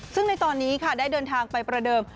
ซึ่งในตอนนี้ค่ะได้เดินทางไปประเดิม